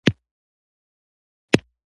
په شړومبو دې کولمې ور سورۍ کړې دي.